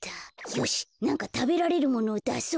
よしなんかたべられるものをだそう。